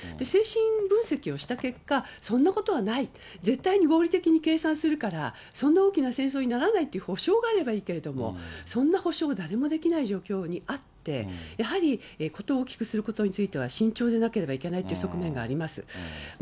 精神分析をした結果、そんなことはない、絶対に合理的に計算するから、そんな大きな戦争にならないという保証があればいいけれども、そんな保証は誰もできない状況にあって、やはり事を大きくすることについては、慎重でなければいけないという側面があります。